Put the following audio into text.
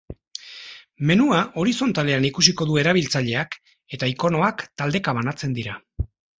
Menua horizontalean ikusiko du erabiltzaileak eta ikonoak taldeka banatzen dira.